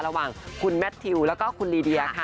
ระหว่างคุณแมททิวแล้วก็คุณลีเดียค่ะ